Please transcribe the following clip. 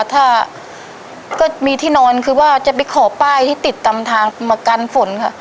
ถ้าก็มีที่นอนคือว่าจะไปขอป้ายที่ติดตามทางมากันฝนค่ะ